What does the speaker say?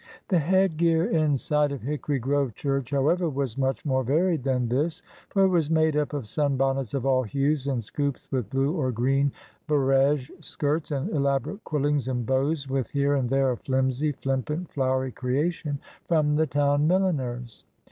The head gear inside of Hickory Grove church, how ever, was much more varied than this, for it was made up of sunbonnets of all hues, and scoops with blue or green barege skirts and elaborate quillings and bows, with here and there a flimsy, flippant, flowery creation from the town milliner's.